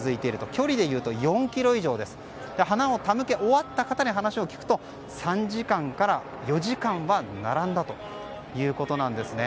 距離のところでいうと４ｋｍ以上で花を手向け終わった方に話を聞くと３時間から４時間は並んだということなんですね。